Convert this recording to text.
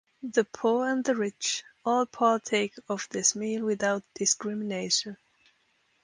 The poor and the rich - all partake of this meal without discrimination.